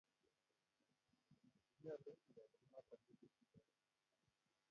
Kinyalu iyai kunotok wikit nigonye.